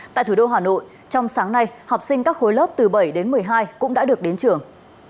tại thủ đô hà nội trong sáng nay học sinh các khối lớp từ bảy đến một mươi hai cũng đã được đến trường